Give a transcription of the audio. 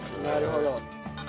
なるほど。